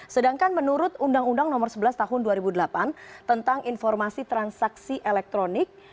sedangkan menurut undang undang nomor sebelas tahun dua ribu delapan tentang informasi transaksi elektronik